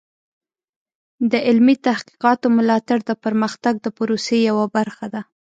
د علمي تحقیقاتو ملاتړ د پرمختګ د پروسې یوه برخه ده.